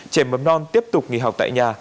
trẻ mập non tiếp tục nghỉ học tại nhà